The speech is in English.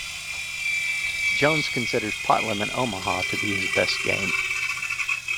Jones considers pot limit Omaha to be his best game.